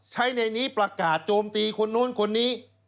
ใช้ในนี้ประกาศโจมตีคนนู้นคนนี้